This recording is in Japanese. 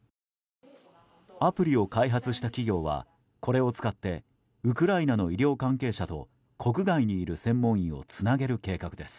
アプリを開発した企業はこれを使ってウクライナの医療関係者と国外にいる専門医をつなげる計画です。